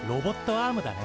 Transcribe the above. アームだね。